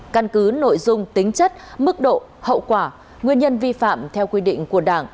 căn cứ nội dung tính chất mức độ hậu quả nguyên nhân vi phạm theo quy định của đảng